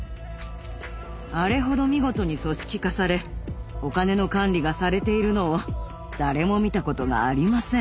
あれほど見事に組織化されお金の管理がされているのを誰も見たことがありません。